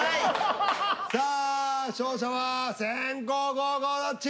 さあ勝者は先攻後攻どっち？